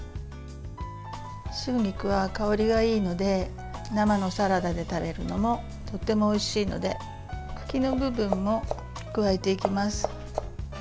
春菊は香りがいいので生のサラダで食べるのもとってもおいしいので茎の部分も加えていきます。